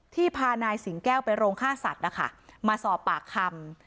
พานายสิงแก้วไปโรงฆ่าสัตว์นะคะมาสอบปากคำ